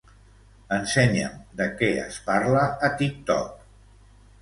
Ensenya'm de què es parla a TikTok.